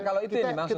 kalau itu yang dimaksud